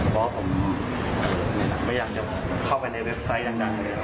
เพราะว่าผมไม่อยากจะเข้าไปในเว็บไซต์หลัง